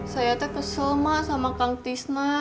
saya kesel sama kang tisna